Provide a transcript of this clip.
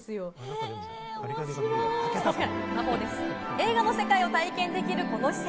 映画の世界を体験できるこの施設。